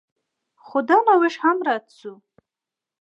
خو دا نوښت هم رد شو.